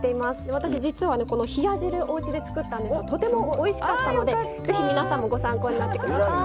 私、実は、この冷や汁おうちで作ったんですがとてもおいしかったのでぜひ、皆さんもご参考になってください。